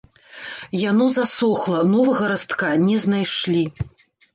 Яно засохла, новага растка не знайшлі.